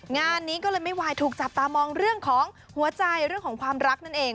งานนี้ก็เลยไม่วายถูกจับตามองเรื่องของหัวใจเรื่องของความรักนั่นเอง